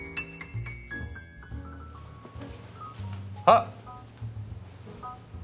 あっ！